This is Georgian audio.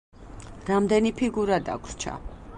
რამდენი ფიგურა დაგვრჩა.